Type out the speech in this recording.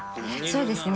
そうですね。